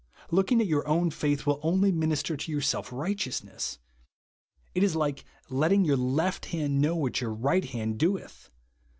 Look ing at your own faitli will only minister to your self righteousness ; it is like letting your left hand know what your right hand doeth.